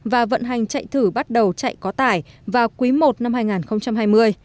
và vận hành chạy thử bắt đầu chạy quá tải vào quý i năm hai nghìn hai mươi